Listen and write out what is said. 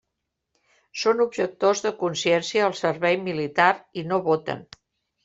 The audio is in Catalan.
Són objectors de consciència al servei militar i no voten.